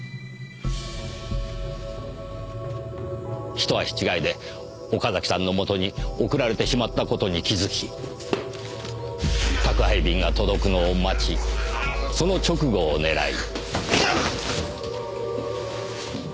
一足違いで岡崎さんの元に送られてしまった事に気づき宅配便が届くのを待ちその直後を狙い。